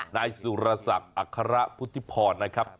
นายสุรศักดิ์อัคระพุทธิพรนะครับ